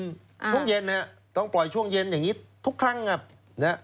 อ่าช่วงเย็นน่ะต้องปล่อยช่วงเย็นอย่างงี้ทุกครั้งอ่ะนะฮะ